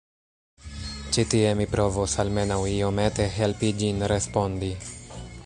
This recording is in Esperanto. Ĉi tie mi provos almenaŭ iomete helpi ĝin respondi.